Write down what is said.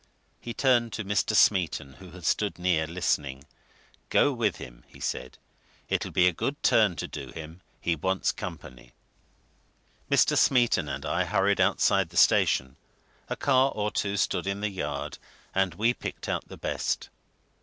He turned to Mr. Smeaton, who had stood near, listening. "Go with him!" he said. "It'll be a good turn to do him he wants company." Mr. Smeaton and I hurried outside the station a car or two stood in the yard, and we picked out the best.